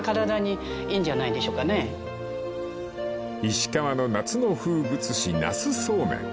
［石川の夏の風物詩なすそうめん］